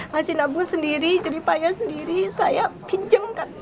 hasil nabung sendiri jadi payah sendiri saya pinjamkan